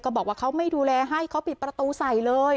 บอกว่าเขาไม่ดูแลให้เขาปิดประตูใส่เลย